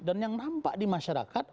dan yang nampak di masyarakat